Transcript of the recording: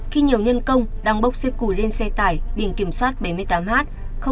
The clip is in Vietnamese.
khi nhiều nhân công đang bốc xếp củi lên xe tải biển kiểm soát bảy mươi tám h